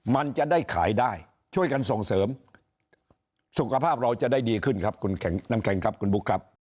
มันจะได้ขายได้ช่วยกันส่งเสริมสุขภาพเราจะได้ดีขึ้นครับคุณแข็งน้ำแข็งครับคุณบุ๊คครับ